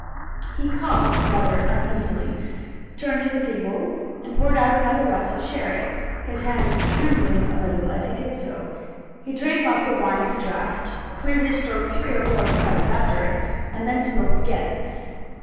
He coughed rather uneasily; turned to the table, and poured out another glass of sherry his hand trembling a little as he did so. He drank off the wine at a draught; cleared his throat three or four times after it; and then spoke again.